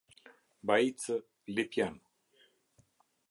Baicë, Lipjan